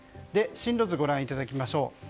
進路図をご覧いただきましょう。